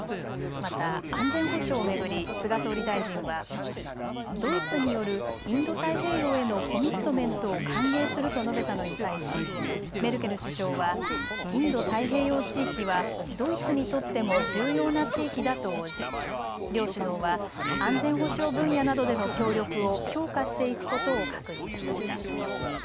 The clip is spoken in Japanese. また安全保障を巡り菅総理大臣はドイツによる、インド太平洋へのコミットメントを歓迎すると述べたのに対しメルケル首相はインド太平洋地域はドイツにとっても重要な地域だと応じ両首脳は安全保障分野などでの協力を強化していくことを確認しました。